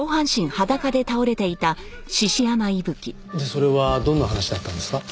それはどんな話だったんですか？